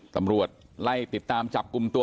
ตำรวจไล่ติดตามจับกลุ่มตัว